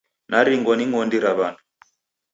Naringwa ni ng'ondi ra w'andu.